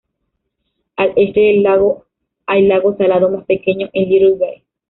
Al este del lago hay lago salado más pequeño, en Little Bay.